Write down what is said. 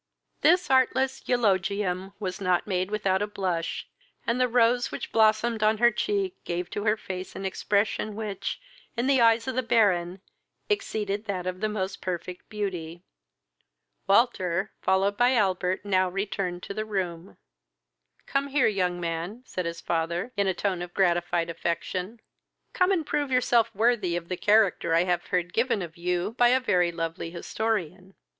This artless eulogium was not made without a blush, and the rose which blossomed on her cheek gave to her face an expression which, in the eyes of the Baron, exceeded that of the most perfect beauty. Walter, followed by Albert, now returned into the room. "Come here, young man, (said his father, in a tone of gratified affection,) come and prove yourself worthy of the character I have heard given of you by a very lovely historian.